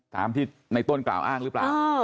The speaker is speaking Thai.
ตามที่ในต้นกล่าวอ้างหรือเปล่า